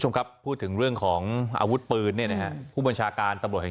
คุณผู้ชมครับพูดถึงเรื่องของอาวุธปืนเนี่ยนะฮะผู้บัญชาการตำรวจแห่ง